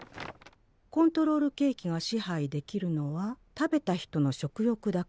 コントロールケーキが支配できるのは食べた人の食欲だけである。